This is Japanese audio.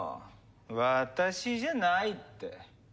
私じゃないって。